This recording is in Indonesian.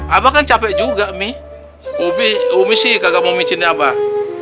abah kan capek juga mi umi sih kagak mau mincin abah